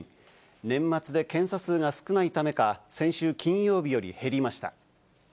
年末で検査数が少ないためか、先週金曜日より減りました。